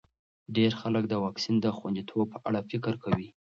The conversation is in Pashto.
ډېر خلک د واکسین د خونديتوب په اړه فکر کوي.